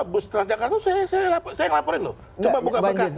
bus transjakarta saya laporin loh coba buka bekas deh